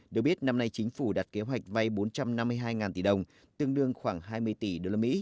được biết năm nay chính phủ đặt kế hoạch vay bốn trăm năm mươi hai tỷ đồng tương đương khoảng hai mươi tỷ usd